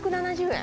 １５０円。